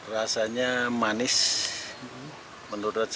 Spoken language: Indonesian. rasanya manis menurut saya